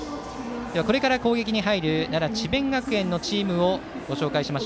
これから攻撃に入る奈良・智弁学園のチームをご紹介します。